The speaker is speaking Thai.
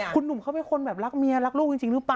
คุณหนุ่มเขาเป็นคนแบบรักเมียรักลูกจริงหรือเปล่า